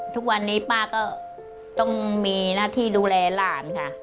ทุกวันนี้ป้าก็ต้องมีหน้าที่ดูแลหลานค่ะ